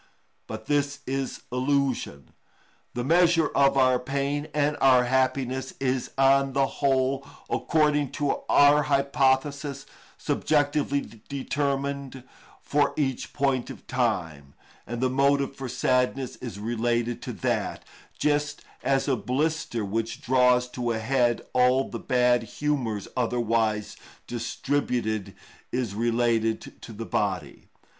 But this is illusion. The measure of our pain and our happiness is on the whole, according to our hypothesis, subjectively determined for each point of time, and the motive for sadness is related to that, just as a blister which draws to a head all the bad humours otherwise distributed is related to the body.